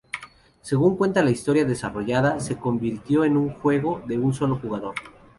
Según cuenta la historia desarrollada, se convirtió en un juego de un solo jugador.